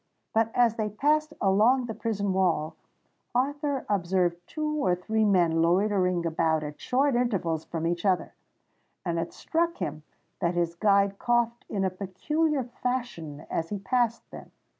But as they passed along the prison wall, Arthur observed two or three men loitering about at short intervals from each other; and it struck him that his guide coughed in a peculiar fashion as he passed them.